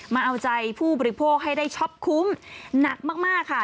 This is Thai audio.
มาเอาใจผู้บริโภคให้ได้ช็อปคุ้มหนักมากค่ะ